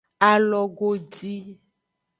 Alogodi.